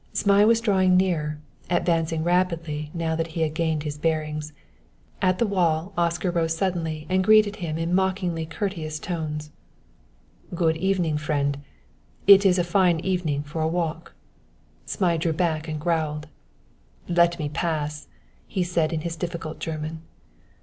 Zmai was drawing nearer, advancing rapidly, now that he had gained his bearings. At the wall Oscar rose suddenly and greeted him in mockingly courteous tones: "Good evening, my friend; it's a fine evening for a walk." Zmai drew back and growled. "Let me pass," he said in his difficult German.